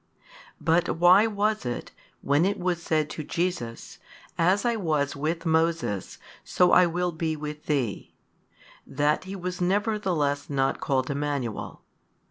But why was it, when it was said to Jesus, As I was with Moses, so I will be with thee, that he was nevertheless not called Emmanuel?